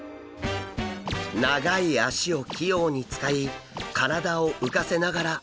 長い脚を器用に使い体を浮かせながら歩いています。